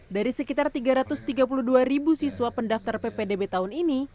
dari sekitar tiga ratus tiga puluh dua ribu siswa pendaftar ppdb tahun ini